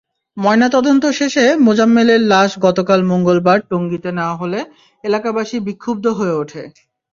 ময়নাতদন্ত শেষে মোজাম্মেলের লাশ গতকাল মঙ্গলবার টঙ্গীতে নেওয়া হলে এলাকাবাসী বিক্ষুব্ধ হয়ে ওঠে।